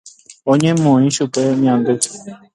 Oñemoĩ chupe ñandy.